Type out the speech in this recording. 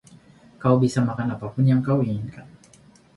Kau bisa makan apapun yang kau inginkan.